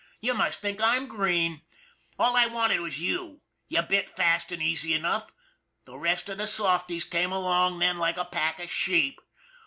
You must think I'm green ! All I wanted was you you bit fast and easy enough the rest of the softies came along then like a pack of sheep.